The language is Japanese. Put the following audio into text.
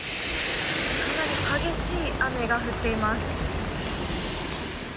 激しい雨が降っています。